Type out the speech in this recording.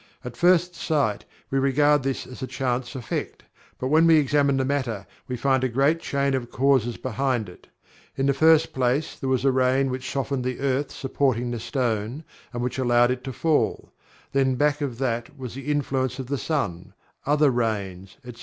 At first sight we regard this as a chance effect, but when we examine the matter we find a great chain of causes behind it. In the first place there was the rain which softened the earth supporting the stone and which allowed it to fall; then back of that was the influence of the sun, other rains, etc.